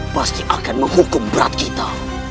pasti akan menghukum berat kita